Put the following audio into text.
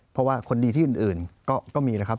เพราะว่าคนดีที่อื่นก็มีนะครับ